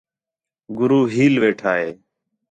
گُرو ہیل ویٹھا ہِے